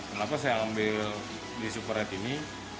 kenapa saya ambil di super red ini